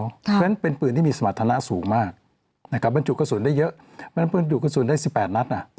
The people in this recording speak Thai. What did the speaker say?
เพราะฉะนั้นเป็นปืนที่มีสมรรถนะสูงมากนะครับบรรจุกระสุนได้เยอะเพราะฉะนั้นปืนจุกกระสุนได้๑๘นัด